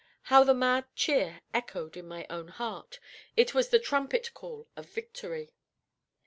How the mad cheer echoed in my own heart! It was the trumpet call of victory.